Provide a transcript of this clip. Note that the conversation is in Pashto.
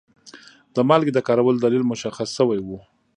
د مالګې د کارولو دلیل مشخص شوی وي.